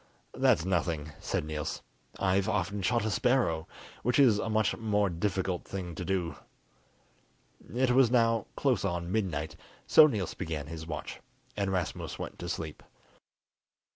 "That's nothing," said Niels. "I've often shot a sparrow, which is a much more difficult thing to do." It was now close on midnight, so Niels began his watch, and Rasmus went to sleep.